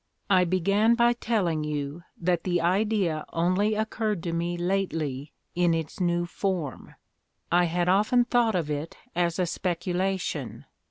"I began by telling you that the idea only occurred to me lately in its new form. I had often thought of it as a speculation.